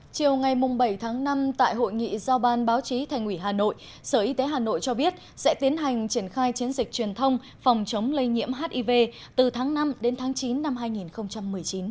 chiều ngày bảy tháng năm tại hội nghị giao ban báo chí thành ủy hà nội sở y tế hà nội cho biết sẽ tiến hành triển khai chiến dịch truyền thông phòng chống lây nhiễm hiv từ tháng năm đến tháng chín năm hai nghìn một mươi chín